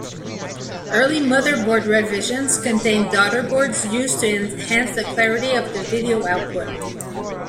Early motherboard revisions contain daughterboards, used to enhance the clarity of the video output.